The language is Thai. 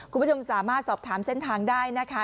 คุณผู้ชมสามารถสอบถามเส้นทางได้นะคะ